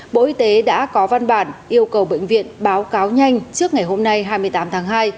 bộ y tế đã có văn bản yêu cầu bệnh viện báo cáo nhanh trước ngày hôm nay hai mươi tám tháng hai